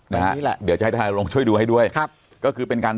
นี่แหละเดี๋ยวจะให้ทนายลงช่วยดูให้ด้วยครับก็คือเป็นการ